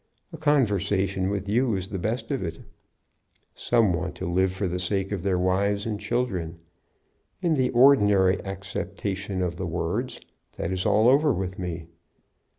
A conversation with you is the best of it. Some want to live for the sake of their wives and children. In the ordinary acceptation of the words, that is all over with me.